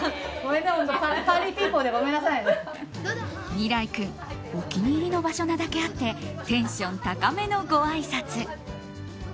美良生君お気に入りの場所なだけあってテンション高めのごあいさつ。